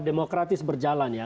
demokratis berjalan ya